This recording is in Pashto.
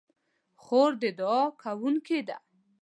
خور د دعا کوونکې ده.